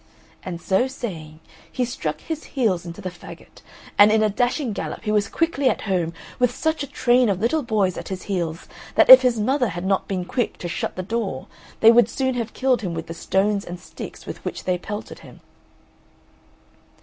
And so saying, he struck his heels into the faggot, and in a dashing gallop he was quickly at home, with such a train of little boys at his heels that if his mother had not been quick to shut the door they would soon have killed him with the stones and sticks with which they pelted him.